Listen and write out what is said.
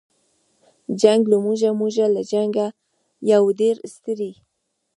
جنګ له موږه موږ له جنګه یو ډېر ستړي